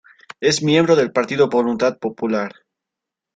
Es miembro del partido Voluntad Popular.